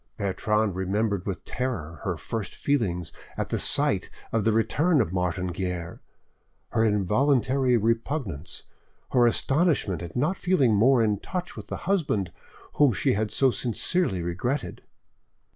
Bertrande remembered with terror her first feelings at the sight of the returned Martin Guerre, her involuntary repugnance, her astonishment at not feeling more in touch with the husband whom she had so sincerely regretted.